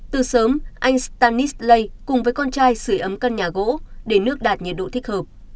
từ sớm anh stanis play cùng với con trai sửa ấm căn nhà gỗ để nước đạt nhiệt độ thích hợp